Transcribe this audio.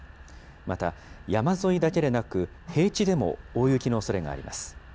また山沿いだけでなく、平地でも大雪のおそれがあります。